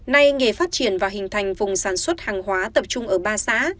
nay nghề phát triển và hình thành vùng sản xuất hàng hóa tập trung ở ba xã